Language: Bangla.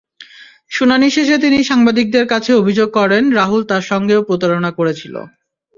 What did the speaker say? শুনানি শেষে তিনি সাংবাদিকদের কাছে অভিযোগ করেন, রাহুল তাঁর সঙ্গেও প্রতারণা করেছিল।